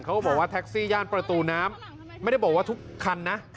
เขาบอกว่าแท็กซี่ย่านประตูน้ำไม่ได้บอกว่าทุกคันนะ